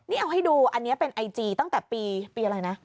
นี่เอาให้ดูอันนี้เป็นไอจีตั้งแต่ปีอะไรนะ